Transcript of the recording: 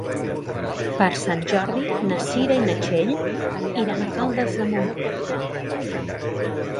Per Sant Jordi na Cira i na Txell iran a Caldes de Montbui.